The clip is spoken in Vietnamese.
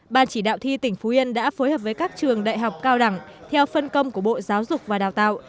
ban chỉ đạo thi tỉnh phú yên đã phối hợp với các trường đại học cao đẳng theo phân công của bộ giáo dục và đào tạo